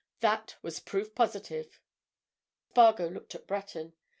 That was proof positive." Spargo looked at Breton.